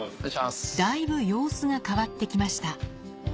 だいぶ様子が変わって来ました。